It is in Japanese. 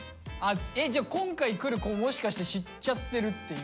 えじゃあ今回来る子ももしかして知っちゃってるっていう？